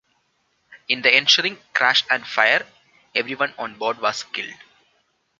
In the ensuing crash and fire everyone on board was killed.